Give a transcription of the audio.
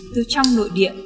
từ trong nội địa